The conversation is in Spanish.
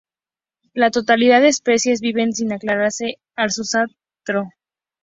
La totalidad de especies viven sin anclarse al sustrato.